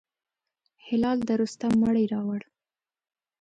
هلال د رستم مړی راووړ.